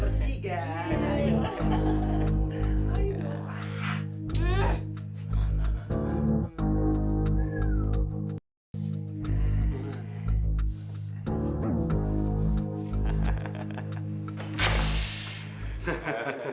bener kayak beban di butler